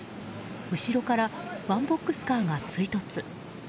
後ろからワンボックスカーが追突。